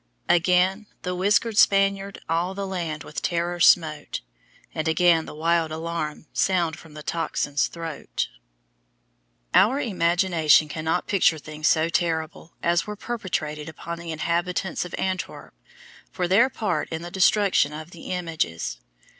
"Again the whiskered Spaniard all the land with terror smote; And again the wild alarum sounded from the tocsin's throat." [Illustration: RUBENS AND HIS FIRST WIFE Rubens] Our imagination cannot picture things so terrible as were perpetrated upon the inhabitants of Antwerp for their part in the destruction of the "images."